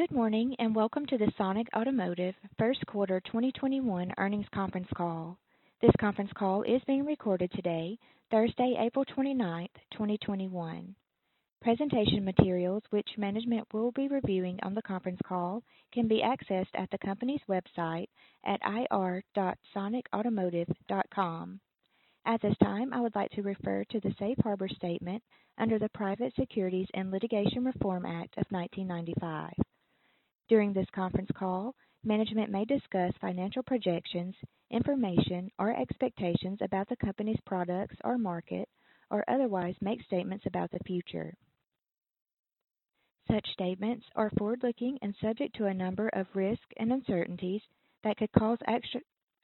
Good morning and welcome to the Sonic Automotive First Quarter 2021 Earnings Conference Call. This conference call is being recorded today, Thursday, April 29th, 2021. Presentation materials, which management will be reviewing on the conference call, can be accessed at the company's website at ir.sonicautomotive.com. At this time, I would like to refer to the Safe Harbor statement under the Private Securities Litigation Reform Act of 1995. During this conference call, management may discuss financial projections, information, or expectations about the company's products or market, or otherwise make statements about the future. Such statements are forward-looking and subject to a number of risks and uncertainties that could cause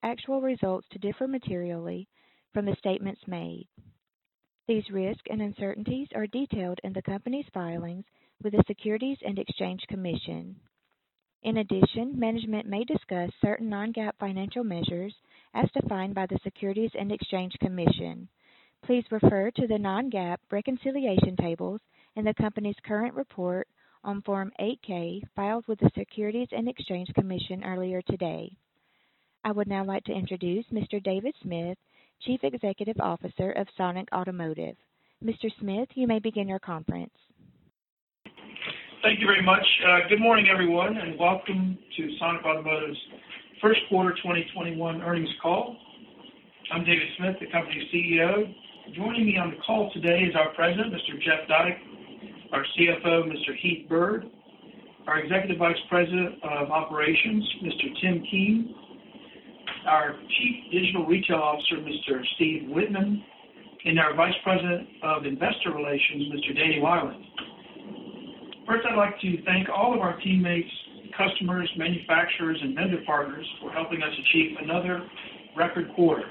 actual results to differ materially from the statements made. These risks and uncertainties are detailed in the company's filings with the Securities and Exchange Commission. In addition, management may discuss certain non-GAAP financial measures as defined by the Securities and Exchange Commission. Please refer to the non-GAAP reconciliation tables in the company's current report on Form 8-K filed with the Securities and Exchange Commission earlier today. I would now like to introduce Mr. David Smith, Chief Executive Officer of Sonic Automotive. Mr. Smith, you may begin your conference. Thank you very much. Good morning, everyone, and welcome to Sonic Automotive's First Quarter 2021 Earnings Call. I'm David Smith, the company's CEO. Joining me on the call today is our President, Mr. Jeff Dyke, our CFO, Mr. Heath Byrd, our Executive Vice President of Operations, Mr. Tim Keen, our Chief Digital Retail Officer, Mr. Steve Wittman, and our Vice President of Investor Relations, Mr. Danny Wieland. First, I'd like to thank all of our teammates, customers, manufacturers, and vendor partners for helping us achieve another record quarter.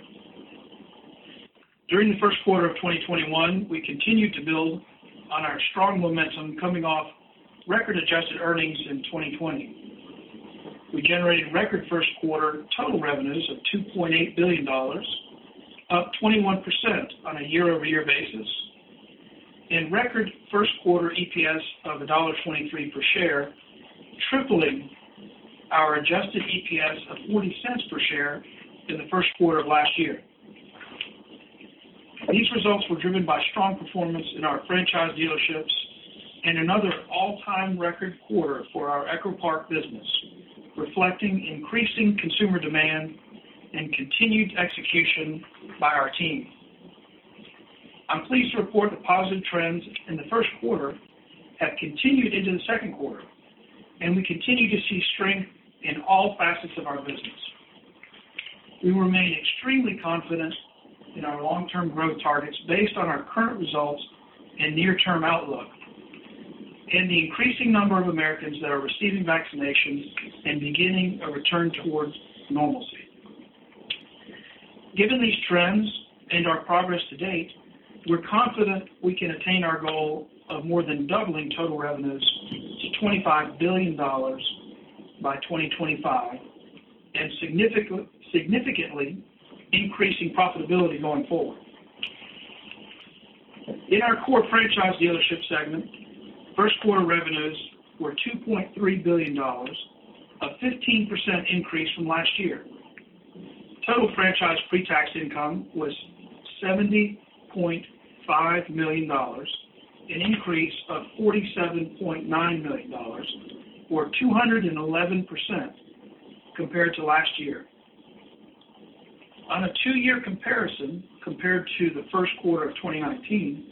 During the first quarter of 2021, we continued to build on our strong momentum coming off record-adjusted earnings in 2020. We generated record first quarter total revenues of $2.8 billion, up 21% on a year-over-year basis, and record first quarter EPS of $1.23 per share, tripling our adjusted EPS of $0.40 per share in the first quarter of last year. These results were driven by strong performance in our franchise dealerships and another all-time record quarter for our EchoPark business, reflecting increasing consumer demand and continued execution by our team. I'm pleased to report the positive trends in the first quarter have continued into the second quarter. And we continue to see strength in all facets of our business. We remain extremely confident in our long-term growth targets based on our current results and near-term outlook, and the increasing number of Americans that are receiving vaccinations and beginning a return towards normalcy. Given these trends and our progress to date, we're confident we can attain our goal of more than doubling total revenues to $25 billion by 2025 and significantly increasing profitability going forward. In our core franchise dealership segment, first quarter revenues were $2.3 billion, a 15% increase from last year. Total franchise pre-tax income was $70.5 million, an increase of $47.9 million, or 211% compared to last year. On a two-year comparison, compared to the first quarter of 2019,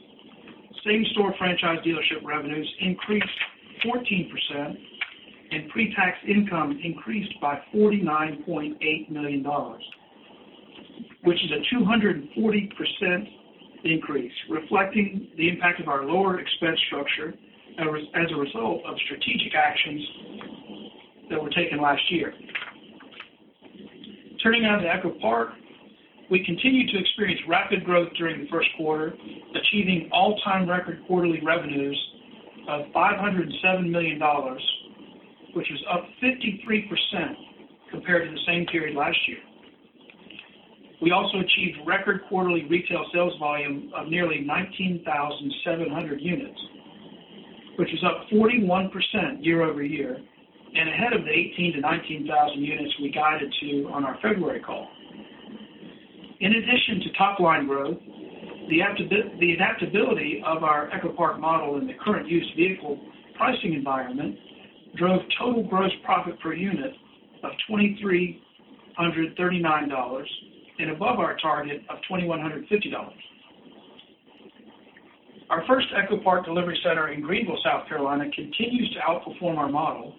same-store franchise dealership revenues increased 14%, and pre-tax income increased by $49.8 million, which is a 240% increase, reflecting the impact of our lower expense structure as a result of strategic actions that were taken last year. Turning now to EchoPark, we continued to experience rapid growth during the first quarter, achieving all-time record quarterly revenues of $507 million, which was up 53% compared to the same period last year. We also achieved record quarterly retail sales volume of nearly 19,700 units, which was up 41% year-over-year and ahead of the 18,000-19,000 units we guided to on our February call. In addition to top-line growth, the adaptability of our EchoPark model in the current used vehicle pricing environment drove total gross profit per unit of $2,339 and above our target of $2,150. Our first EchoPark delivery center in Greenville, South Carolina, continues to outperform our model,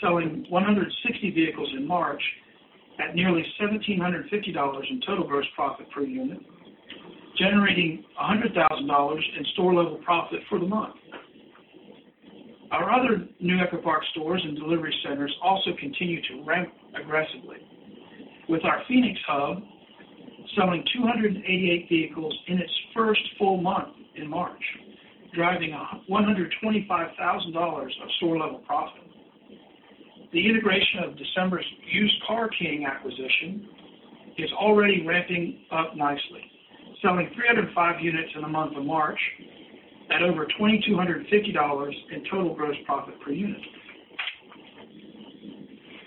selling 160 vehicles in March at nearly $1,750 in total gross profit per unit, generating $100,000 in store-level profit for the month. Our other new EchoPark stores and delivery centers also continue to ramp aggressively. With our Phoenix hub selling 288 vehicles in its first full month in March, driving $125,000 of store-level profit. The integration of December's Used Car King acquisition is already ramping up nicely, selling 305 units in the month of March at over $2,250 in total gross profit per unit.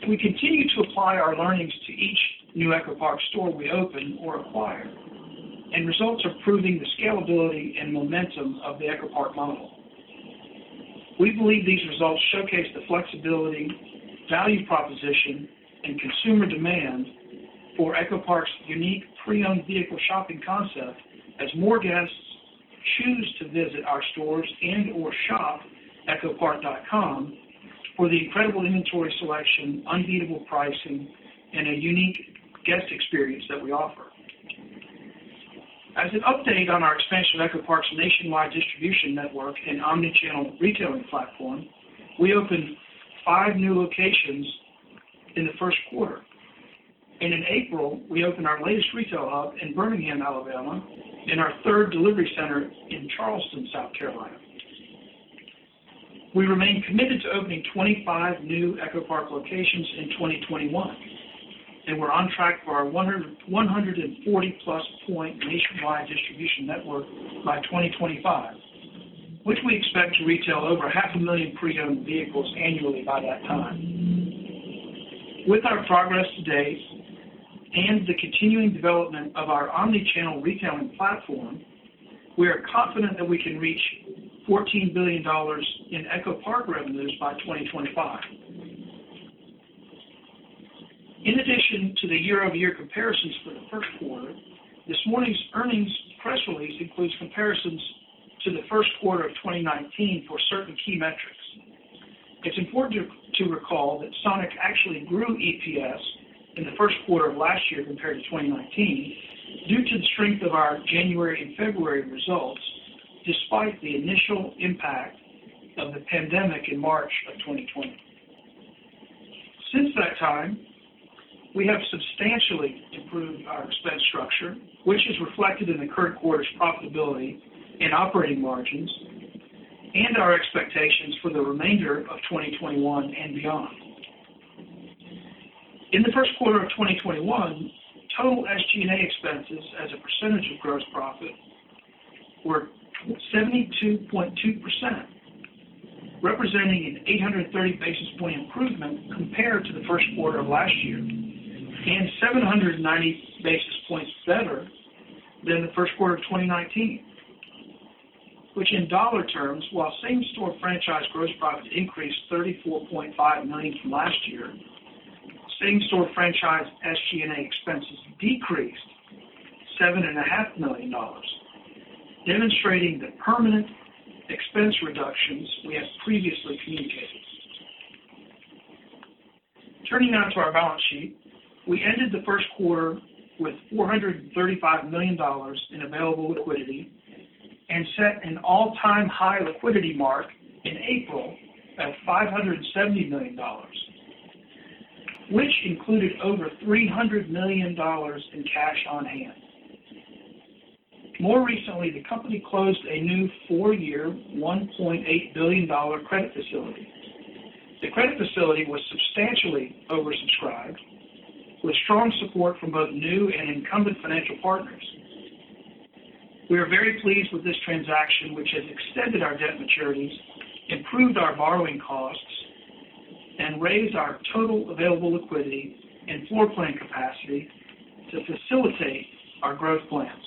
We continue to apply our learnings to each new EchoPark store we open or acquire, and results are proving the scalability and momentum of the EchoPark model. We believe these results showcase the flexibility, value proposition, and consumer demand for EchoPark's unique pre-owned vehicle shopping concept as more guests choose to visit our stores and/or shop echopark.com for the incredible inventory selection, unbeatable pricing, and a unique guest experience that we offer. As an update on our expansion of EchoPark's nationwide distribution network and omni-channel retailing platform, we opened five new locations in the first quarter. And in April, we opened our latest retail hub in Birmingham, Alabama, and our third delivery center in Charleston, South Carolina. We remain committed to opening 25 new EchoPark locations in 2021, and we're on track for our 140+ point nationwide distribution network by 2025, which we expect to retail over half a million pre-owned vehicles annually by that time. With our progress to date and the continuing development of our omni-channel retailing platform, we are confident that we can reach $14 billion in EchoPark revenues by 2025. In addition to the year-over-year comparisons for the first quarter, this morning's earnings press release includes comparisons to the first quarter of 2019 for certain key metrics. It's important to recall that Sonic actually grew EPS in the first quarter of last year compared to 2019 due to the strength of our January and February results, despite the initial impact of the pandemic in March of 2020. Since that time, we have substantially improved our expense structure, which is reflected in the current quarter's profitability and operating margins and our expectations for the remainder of 2021 and beyond. In the first quarter of 2021, total SG&A expenses as a percentage of gross profit were 72.2%, representing an 830 basis points improvement compared to the first quarter of last year, and 790 basis points better than the first quarter of 2019, which in dollar terms, while same-store franchise gross profit increased $34.5 million from last year, same-store franchise SG&A expenses decreased $7.5 million, demonstrating the permanent expense reductions we have previously communicated. Turning now to our balance sheet. We ended the first quarter with $435 million in available liquidity and set an all-time high liquidity mark in April at $570 million, which included over $300 million in cash on hand. More recently, the company closed a new four-year, $1.8 billion credit facility. The credit facility was substantially oversubscribed with strong support from both new and incumbent financial partners. We are very pleased with this transaction, which has extended our debt maturities, improved our borrowing costs, and raised our total available liquidity and floor plan capacity to facilitate our growth plans.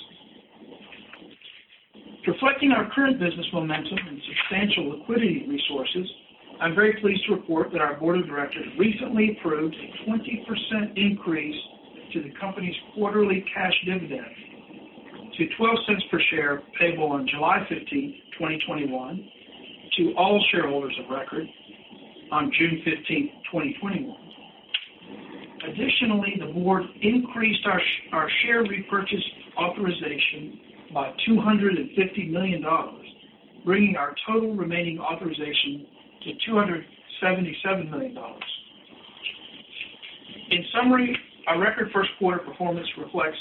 Reflecting our current business momentum and substantial liquidity resources, I'm very pleased to report that our board of directors recently approved a 20% increase to the company's quarterly cash dividend to $0.12 per share, payable on July 15th, 2021, to all shareholders of record on June 15th, 2021. Additionally, the board increased our share repurchase authorization by $250 million, bringing our total remaining authorization to $277 million. In summary, our record first quarter performance reflects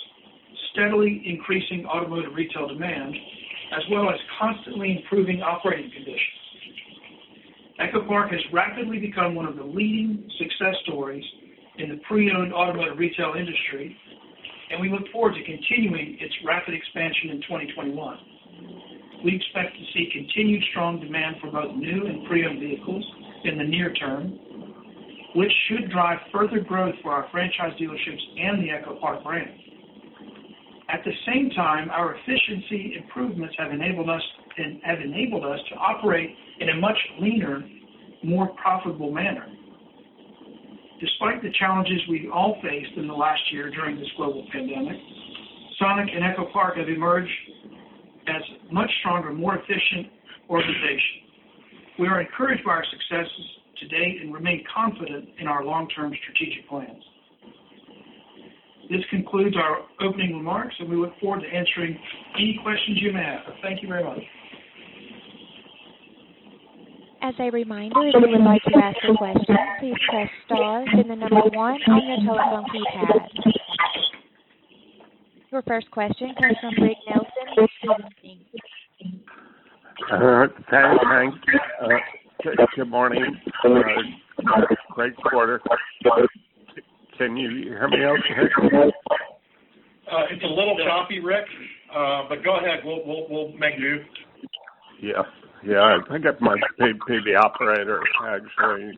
steadily increasing automotive retail demand as well as constantly improving operating conditions. EchoPark has rapidly become one of the leading success stories in the pre-owned automotive retail industry, and we look forward to continuing its rapid expansion in 2021. We expect to see continued strong demand for both new and pre-owned vehicles in the near term, which should drive further growth for our franchise dealerships and the EchoPark brand. At the same time, our efficiency improvements have enabled us to operate in a much leaner, more profitable manner. Despite the challenges we've all faced in the last year during this global pandemic, Sonic and EchoPark have emerged as much stronger, more efficient organizations. We are encouraged by our successes to date and remain confident in our long-term strategic plans. This concludes our opening remarks, and we look forward to answering any questions you may have. Thank you very much. As a reminder, if you would like to ask a question, please press star then the number one on your telephone keypad. Your first question comes from Rick Nelson with Stephens Inc. This is Rick. Good morning. Great quarter. Can you hear me okay? It's a little choppy, Rick. But go ahead. We'll make do. Yeah. I think it might be the operator, actually,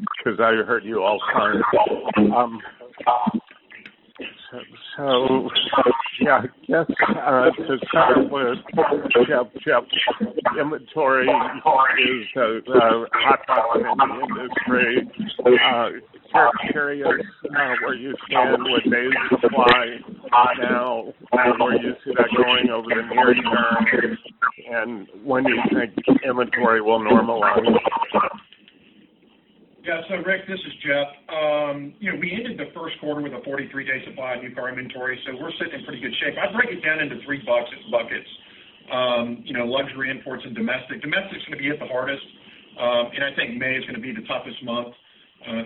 because I heard you all fine. Yeah, just to start with, Jeff, inventory is a hot topic in the industry. Just curious where you stand with days of supply now and where you see that going over the near term, and when you think inventory will normalize. Yeah. Rick, this is Jeff. We ended the first quarter with a 43-day supply of new car inventory. We're sitting in pretty good shape. I'd break it down into three buckets. Luxury, imports, and domestic. Domestic's going to get hit the hardest. I think May is going to be the toughest month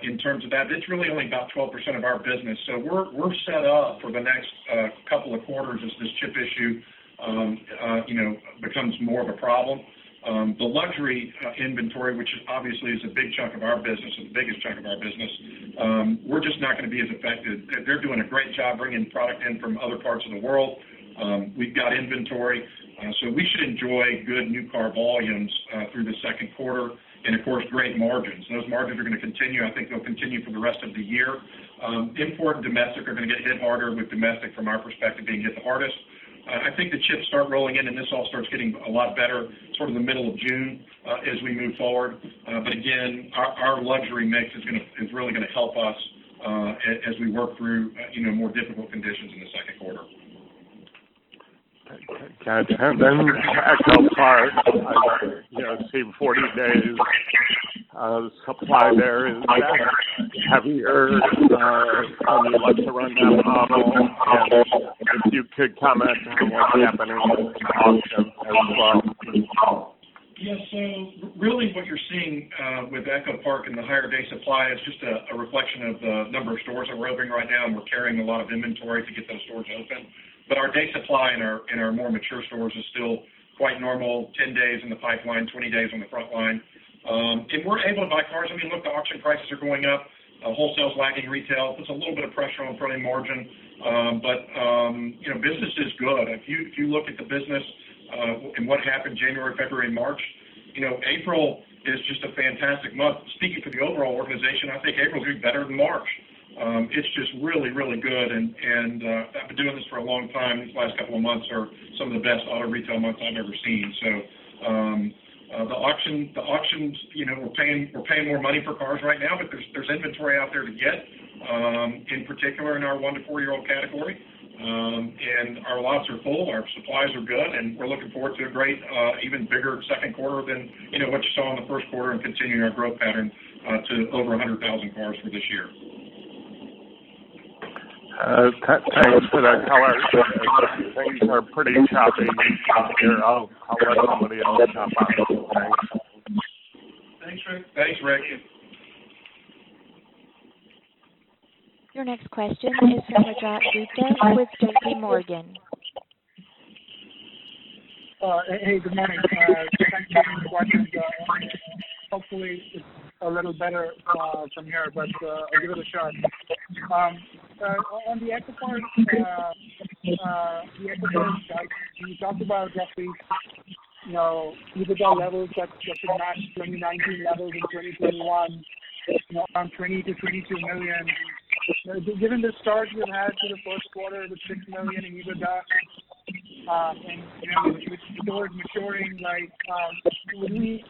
in terms of that. It's really only about 12% of our business, we're set up for the next couple of quarters as this chip issue becomes more of a problem. The luxury inventory, which obviously is a big chunk of our business, the biggest chunk of our business, we're just not going to be as affected. They're doing a great job bringing product in from other parts of the world. We've got inventory. We should enjoy good new car volumes through the second quarter. And of course, great margins. Those margins are going to continue. I think they'll continue for the rest of the year. Import and domestic are going to get hit harder with domestic, from our perspective, being hit the hardest. I think the chips start rolling in, and this all starts getting a lot better sort of the middle of June as we move forward. But again, our luxury mix is really going to help us as we work through more difficult conditions in the second quarter. Gotcha. Then, EchoPark, I see the 40 days of supply there is heavier. How do you like to run that model? If you could comment on what's happening with auction as well. Yes, so, really what you're seeing with EchoPark and the higher day supply is just a reflection of the number of stores that we're opening right now, and we're carrying a lot of inventory to get those stores open. But our day supply in our more mature stores is still quite normal, 10 days in the pipeline, 20 days on the frontline. And we're able to buy cars. I mean, look, the auction prices are going up. Wholesale is lagging retail. Puts a little bit of pressure on the front-end margin. But you know, business is good. If you look at the business and what happened January, February, March, April is just a fantastic month. Speaking for the overall organization, I think April will do better than March. It's just really, really good. I've been doing this for a long time. These last couple of months are some of the best auto retail months I've ever seen. The auctions, we're paying more money for cars right now, but there's inventory out there to get, in particular in our one to four-year-old category. Our lots are full, our supplies are good, and we're looking forward to a great even bigger second quarter than what you saw in the first quarter and continuing our growth pattern to over 100,000 cars for this year. Thanks for that. However, things are pretty choppy here. I'll let somebody else hop on. Thanks. Thanks, Rick. Your next question is from Rajat Gupta with J.P. Morgan. Hey, good morning. Thanks for the questions. Hopefully, it's a little better from here, but I'll give it a shot. On the EchoPark side, you talked about, Jeff Dyke, EBITDA levels that could match 2019 levels in 2021, around $20 million-$22 million. Given the start you had to the first quarter, the $6 million in EBITDA, and with stores maturing, should we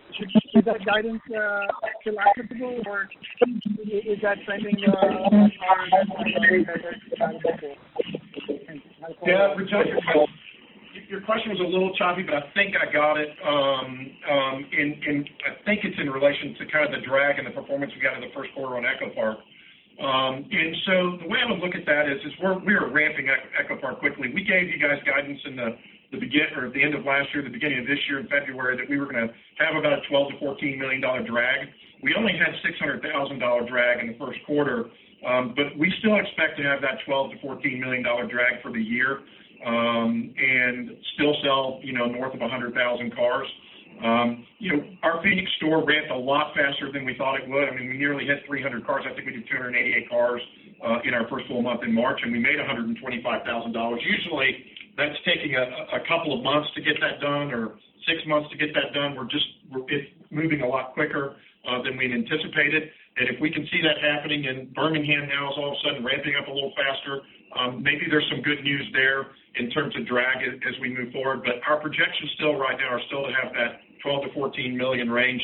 keep that guidance still applicable, or is that something. Yeah. Rajat, your question was a little choppy, but I think I got it. I think it's in relation to kind of the drag in the performance we got in the first quarter on EchoPark. The way I would look at that is we are ramping EchoPark quickly. We gave you guys guidance in the end of last year, the beginning of this year in February, that we were going to have about a $12 million-$14 million drag. We only had $600,000 drag in the first quarter. But we still expect to have that $12 million-$14 million drag for the year, and still sell north of 100,000 cars. Our Phoenix store ramped a lot faster than we thought it would. I mean, we nearly hit 300 cars. I think we did 288 cars in our first full month in March, and we made $125,000. Usually, that's taking a couple of months to get that done or six months to get that done. We're just, it's moving a lot quicker than we'd anticipated. If we can see that happening in Birmingham now is all of a sudden ramping up a little faster, maybe there's some good news there in terms of drag as we move forward. But our projections right now are still to have that $12 million-$14 million range.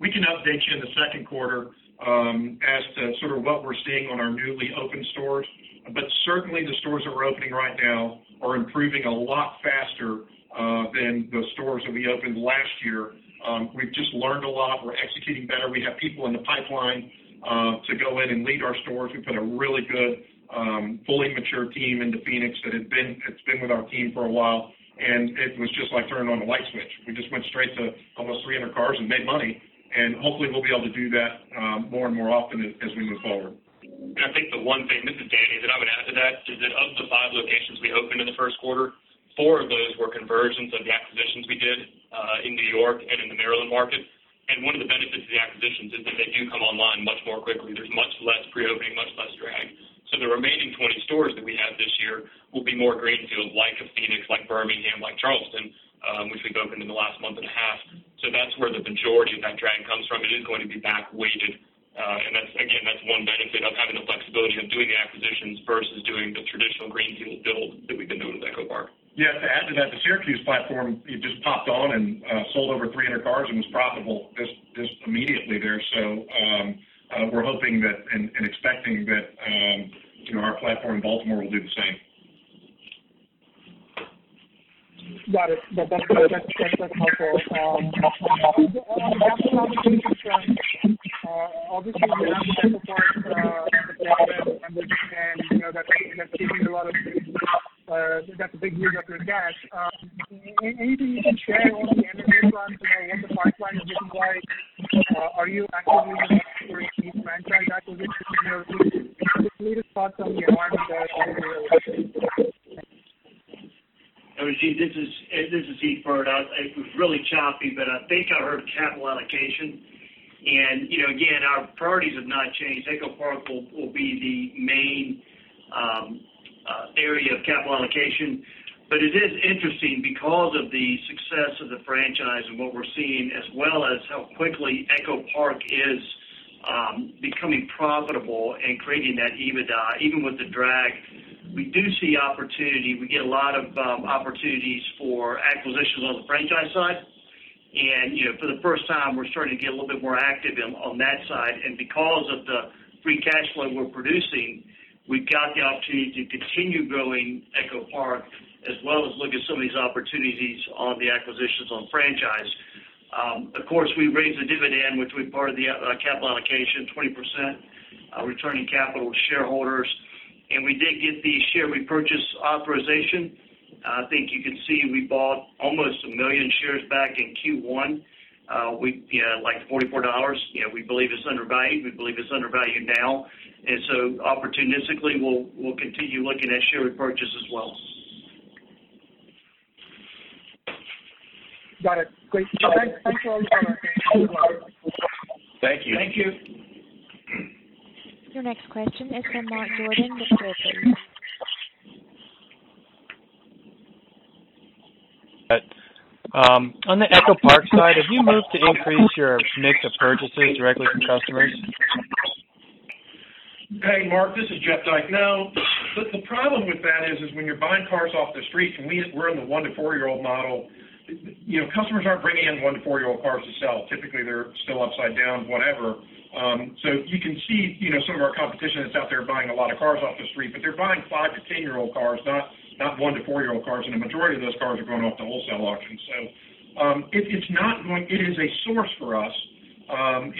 We can update you in the second quarter as to sort of what we're seeing on our newly opened stores. But certainly the stores that we're opening right now are improving a lot faster than the stores that we opened last year. We've just learned a lot. We're executing better. We have people in the pipeline to go in and lead our stores. We put a really good, fully mature team into Phoenix that's been with our team for a while. It was just like turning on a light switch. We just went straight to almost 300 cars and made money. Hopefully we'll be able to do that more and more often as we move forward. I think the one thing, this is Danny, that I would add to that is that of the five locations we opened in the first quarter, four of those were conversions of the acquisitions we did, in New York and in the Maryland market. And one of the benefits of the acquisitions is that they do come online much more quickly. There's much less pre-opening, much less drag. The remaining 20 stores that we have this year will be more greenfield, like a Phoenix, like Birmingham, like Charleston, which we've opened in the last month and a half. That's where the majority of that drag comes from. It is going to be back-weighted. Again, that's one benefit of having the flexibility of doing the acquisitions versus doing the traditional greenfield build that we've been doing with EchoPark. Yes, to add to that, the Syracuse platform, it just popped on and sold over 300 cars and was profitable just immediately there. We're hoping and expecting that our platform in Baltimore will do the same. Got it. That's helpful. obviously you announced EchoPark, and that's a big boost to your cash. Anything you can share on the franchise front, what the pipeline is looking like? Are you actively looking at three key franchise acquisitions? Can you just talk on your M&A? Rajat, this is Heath Byrd. It was really choppy, but I think I heard capital allocation. Again, our priorities have not changed. EchoPark will be the main area of capital allocation. But it is interesting because of the success of the franchise and what we're seeing, as well as how quickly EchoPark is becoming profitable and creating that EBITDA, even with the drag. We do see opportunity. We get a lot of opportunities for acquisitions on the franchise side. And you know, for the first time, we're starting to get a little bit more active on that side. Because of the free cash flow we're producing, we've got the opportunity to continue growing EchoPark, as well as look at some of these opportunities on the acquisitions on franchise. Of course, we raised the dividend, which was part of the capital allocation, 20% returning capital to shareholders. We did get the share repurchase authorization. I think you can see we bought almost a million shares back in Q1. Like $44, we believe it's undervalued. We believe it's undervalued now. Opportunistically, we'll continue looking at share repurchase as well. Got it. Great. Thanks a lot. Thank you. Thank you. Your next question is from Mark Jordan with Jefferies. On the EchoPark side, have you moved to increase your mix of purchases directly from customers? Hey, Mark, this is Jeff Dyke. No. The problem with that is when you're buying cars off the street, we're in the one- to four-year-old model. Customers aren't bringing in one- to four-year-old cars to sell. Typically, they're still upside down, whatever. You can see some of our competition that's out there buying a lot of cars off the street, but they're buying five- to 10-year-old cars, not one- to four-year-old cars, and a majority of those cars are going off to wholesale auctions. If it's not- It is a source for us.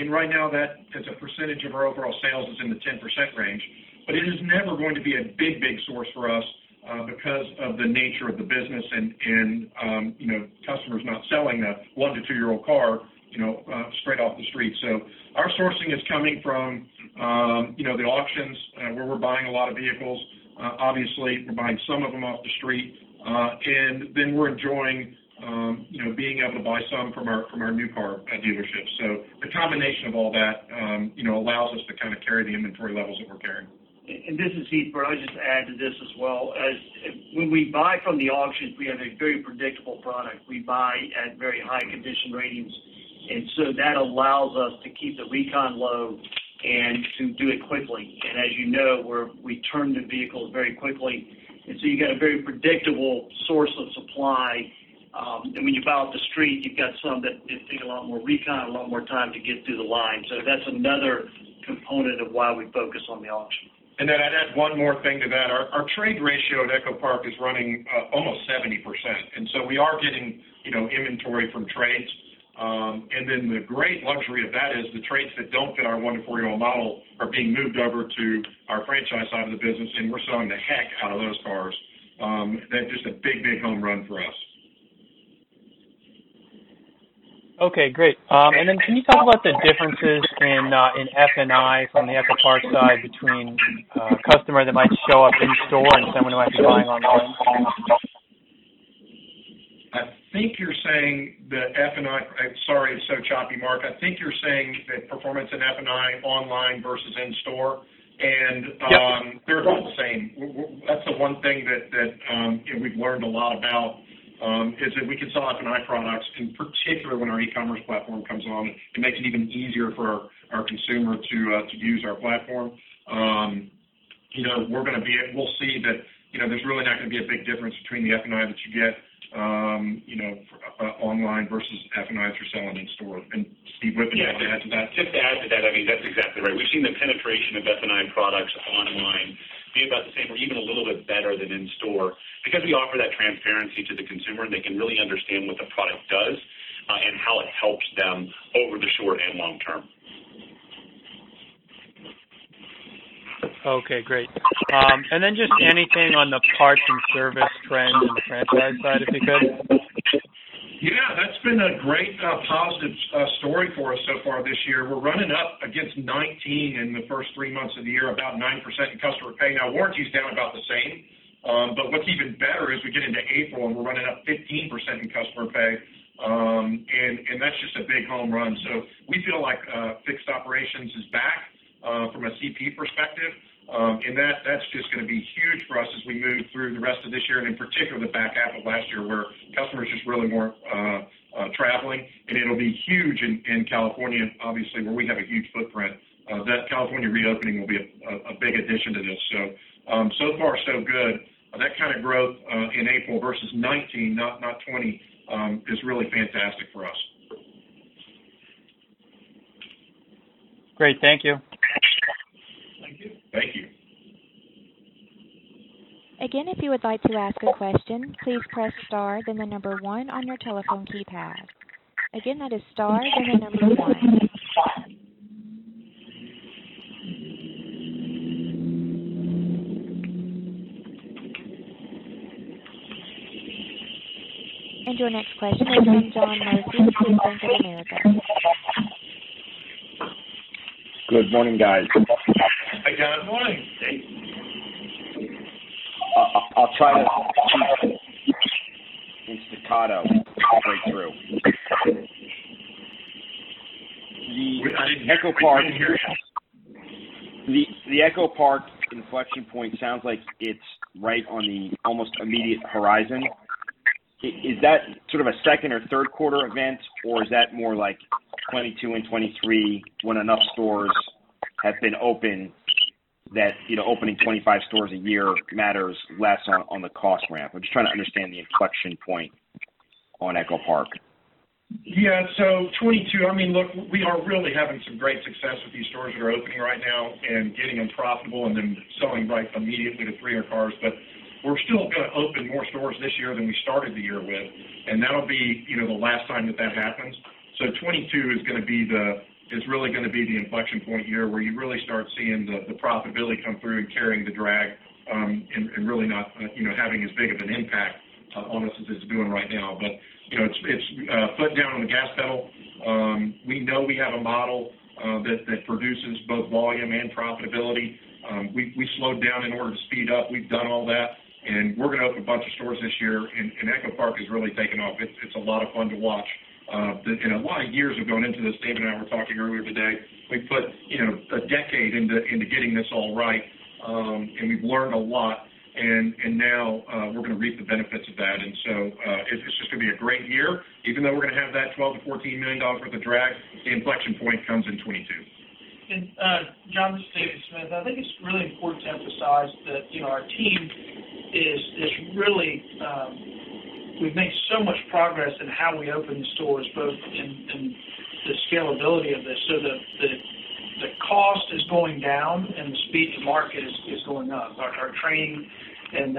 Right now, as a percentage of our overall sales, it's in the 10% range, but it is never going to be a big, big source for us because of the nature of the business and customers not selling a one- to two-year-old car straight off the street. Our sourcing is coming from the auctions, where we're buying a lot of vehicles. Obviously, we're buying some of them off the street, and then we're enjoying being able to buy some from our new car dealerships. The combination of all that allows us to carry the inventory levels that we're carrying. And this is Heath Byrd. I'll just add to this as well. When we buy from the auctions, we have a very predictable product. We buy at very high condition ratings, and so that allows us to keep the recon low and to do it quickly. As you know, we turn the vehicles very quickly, and so you got a very predictable source of supply. When you buy off the street, you've got some that take a lot more recon, a lot more time to get through the line. That's another component of why we focus on the auction. And I'd add one more thing to that. Our trade ratio at EchoPark is running almost 70%. We are getting inventory from trades. The great luxury of that is the trades that don't fit our one- to four-year-old model are being moved over to our franchise side of the business, and we're selling the heck out of those cars. That's just a big, big home run for us. Okay, great. Then can you talk about the differences in F&I from the EchoPark side between a customer that might show up in store and someone who might be buying online? I think you're saying that F&I- Sorry, it's so choppy, Mark. I think you're saying the performance in F&I online versus in store. And- Yep. they're about the same. That's the one thing that we've learned a lot about, is that we can sell F&I products, in particular when our e-commerce platform comes along. It makes it even easier for our consumer to use our platform. You know, we're gonna be able, we'll see that there's really not going to be a big difference between the F&I that you get online versus F&Is you're selling in store. And Steve Wittman, you want to add to that? Just to add to that, I mean, that's exactly right. We've seen the penetration of F&I products online be about the same or even a little bit better than in store because we offer that transparency to the consumer. They can really understand what the product does, and how it helps them over the short and long term. Okay, great. Just anything on the parts and service trend in the franchise side, if you could? It's been a great positive story for us so far this year. We're running up against 2019 in the first three months of the year, about 9% in customer pay. Warranty's down about the same, but what's even better is we get into April, we're running up 15% in customer pay. And that's just a big home run. We feel like fixed operations is back from a CP perspective. And that's just going to be huge for us as we move through the rest of this year, in particular the back half of last year, where customers just really weren't traveling, it'll be huge in California, obviously, where we have a huge footprint. That California reopening will be a big addition to this. So far, so good. That kind of growth in April versus 2019, not 2020, is really fantastic for us. Great. Thank you. Thank you. Again, if you would like to ask a question, please press star then the number one on your telephone keypad. Again, that is star, then the number one. And your next question comes from John Murphy from Bank of America. Good morning, guys. Hey, John. Good morning. I'll try to speak in staccato to break through. We didn't hear you. The EchoPark inflection point sounds like it's right on the almost immediate horizon. Is that sort of a second or third quarter event, or is that more like 2022 and 2023 when enough stores have been opened that you know, opening 25 stores a year matters less on the cost ramp? I'm just trying to understand the inflection point on EchoPark. Yeah. So, 2022, look, we are really having some great success with these stores that are opening right now and getting them profitable and then selling right immediately three-year cars. We're still going to open more stores this year than we started the year with, and that'll be the last time that that happens. So 2022 is really going to be the inflection point year where you really start seeing the profitability come through and carrying the drag, and really not having as big of an impact on us as it's doing right now. But, you know, it's foot down on the gas pedal. We know we have a model that produces both volume and profitability. We slowed down in order to speed up. We've done all that, and we're going to open a bunch of stores this year, and EchoPark has really taken off. It's a lot of fun to watch. A lot of years have gone into this. David and I were talking earlier today. We put a decade into getting this all right, and we've learned a lot, and now we're going to reap the benefits of that. It's just going to be a great year, even though we're going to have that $12 million-$14 million worth of drag, the inflection point comes in 2022. John, this is David Smith. I think it's really important to emphasize that our team is really, we've made so much progress in how we open stores, both in the scalability of this so that the cost is going down and the speed to market is going up. But our training, and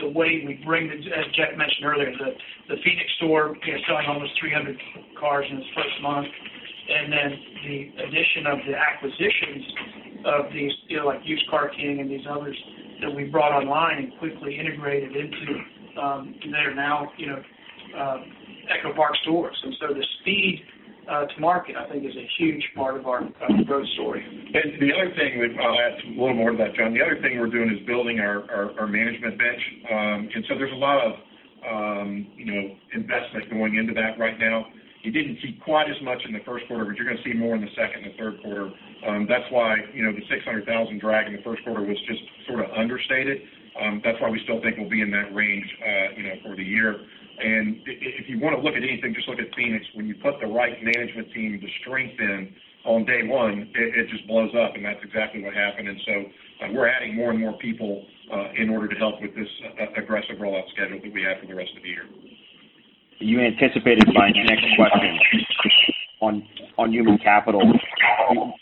the way we bring, as Jeff mentioned earlier, the Phoenix store selling almost 300 cars in its first month, and then the addition of the acquisitions of these, like Used Car King and these others that we brought online and quickly integrated into that are now EchoPark stores. The speed to market, I think, is a huge part of our growth story. The other thing, I'll add a little more to that, John. The other thing we're doing is building our management bench. There's a lot of investment going into that right now. You didn't see quite as much in the first quarter, but you're going to see more in the second and third quarter. That's why the $600,000 drag in the first quarter was just sort of understated. That's why we still think we'll be in that range for the year. If you want to look at anything, just look at Phoenix. When you put the right management team, the strength in on day one, it just blows up, and that's exactly what happened. We're adding more and more people in order to help with this aggressive rollout schedule that we have for the rest of the year. You anticipated my next question. On human capital,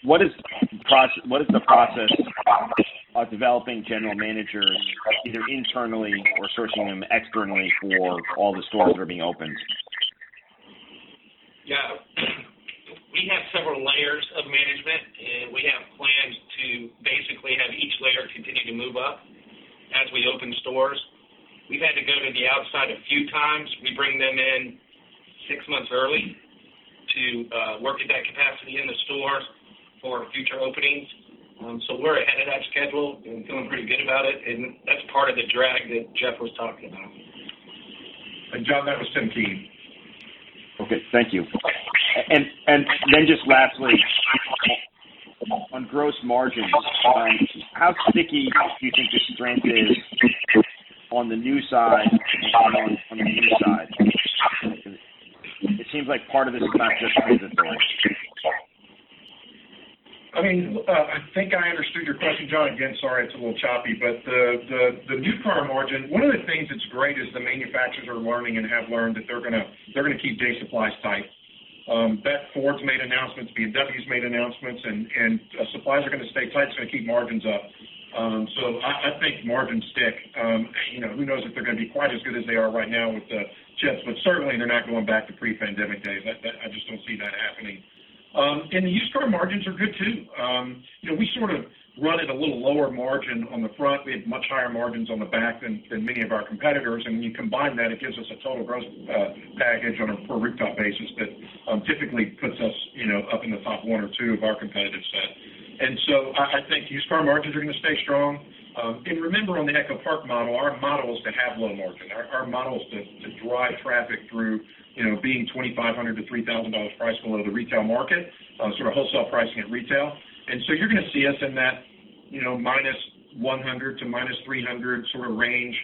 what is the process of developing general managers, either internally or sourcing them externally for all the stores that are being opened? Yeah. We have several layers of management, and we have plans to basically have each layer continue to move up as we open stores. We've had to go to the outside a few times. We bring them in six months early to work at that capacity in the stores for future openings. We're ahead of that schedule and feeling pretty good about it, and that's part of the drag that Jeff was talking about. John, that was Tim Keen. Okay. Thank you. Just lastly, on gross margins, how sticky do you think the strength is on the new side and on the used side? It seems like part of this is not just physical. I mean, I think I understood your question, John. Again, sorry, it's a little choppy, but the new car margin, one of the things that's great is the manufacturers are learning and have learned that they're going to keep day supplies tight. Ford's made announcements, BMW's made announcements, and supplies are going to stay tight, so I think margins up. I think margins stick. Who knows if they're going to be quite as good as they are right now with the chips, but certainly they're not going back to pre-pandemic days. I just don't see that happening. And the used car margins are good, too. We sort of run at a little lower margin on the front. We have much higher margins on the back than many of our competitors. When you combine that, it gives us a total gross package on a per rooftop basis that typically puts us up in the top one or two of our competitive set. I think used car margins are going to stay strong. Remember on the EchoPark model, our model is to have low margin. Our model is to drive traffic through being $2,500-$3,000 price below the retail market, sort of wholesale pricing at retail. You're going to see us in that -100 to -300 sort of range.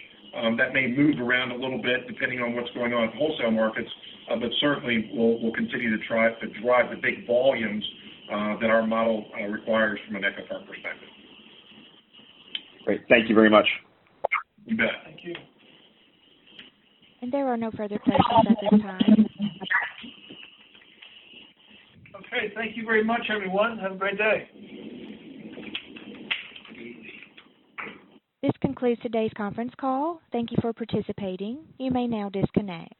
That may move around a little bit depending on what's going on in wholesale markets. But certainly we'll continue to try to drive the big volumes that our model requires from an EchoPark perspective. Great. Thank you very much. Yeah. And there are no further questions at this time. Okay. Thank you very much, everyone. Have a great day. This concludes today's conference call. Thank you for participating. You may now disconnect.